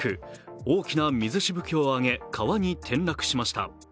大きな水しぶきを上げ、川に転落しました。